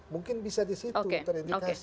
mungkin bisa di situ terindikasi